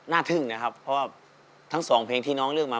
ทึ่งนะครับเพราะว่าทั้งสองเพลงที่น้องเลือกมา